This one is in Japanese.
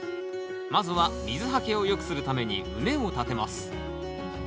まずは水はけを良くするために畝を立てます。